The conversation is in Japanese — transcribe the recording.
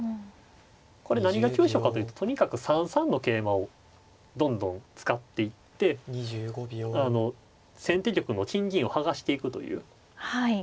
これ何が急所かというととにかく３三の桂馬をどんどん使っていって先手玉の金銀を剥がしていくという。